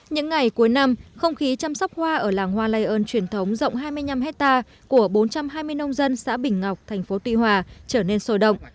những ngày cuối năm không khí chăm sóc hoa ở làng hoa lây ơn truyền thống rộng hai mươi năm hectare của bốn trăm hai mươi nông dân xã bình ngọc thành phố tuy hòa trở nên sôi động